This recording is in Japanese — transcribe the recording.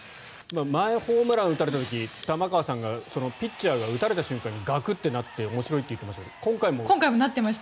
前、ホームラン打たれた時玉川さんがピッチャーが打たれた瞬間にガクッとなって今回もなっていましたね。